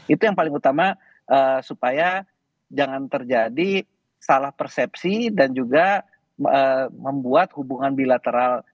itu yang paling utama supaya jangan terjadi salah persepsi dan juga membuat hubungan bilateral